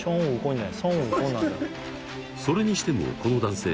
それにしてもこの男性